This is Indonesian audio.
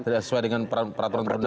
tidak sesuai dengan peraturan perundangan